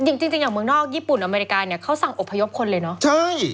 จริงจริงอย่างเมืองนอกญี่ปุ่นอเมริกาเนี่ยเขาสั่งอบพยพคนเลยเนอะใช่